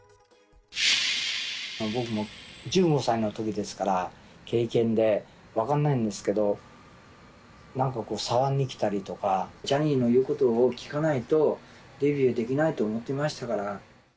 僕も１５歳のときですから、経験で分かんないんですけど、なんかこう触りに来たりとか、ジャニーの言うことを聞かないと、デビューできないと思ってましたから。